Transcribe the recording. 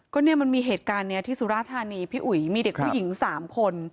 ก็เนี่ยมันมีเหตุการณ์นี้ที่สุราธานีพี่อุ๋ยมีเด็กผู้หญิง๓คน